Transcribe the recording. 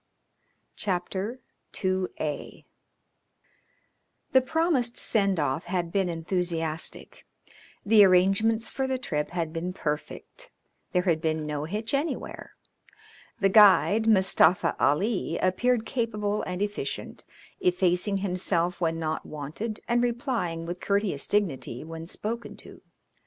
CHAPTER II The promised send off had been enthusiastic. The arrangements for the trip had been perfect; there had been no hitch anywhere. The guide, Mustafa Ali, appeared capable and efficient, effacing himself when not wanted and replying with courteous dignity when spoken to.